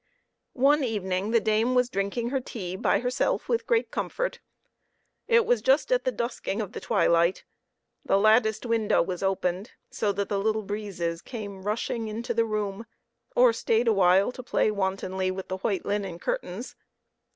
One evening the dame was drinking her tea by herself with great comfort. It was just at the dusking of the twilight; the latticed window was opened, so that the little breezes came rushing into the room, or stayed a while to play wantonly with the white linen curtains.